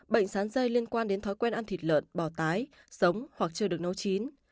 bệnh sán dây liên quan đến thói quen ăn thịt lợn bò tái sống hoặc chưa được nấu chín